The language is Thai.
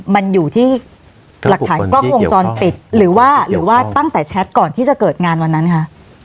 มันอยู่ที่หลักฐานกล้องวงจรปิดหรือว่าหรือว่าตั้งแต่แชทก่อนที่จะเกิดงานวันนั้นคะ